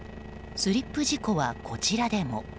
スリップ事故はこちらでも。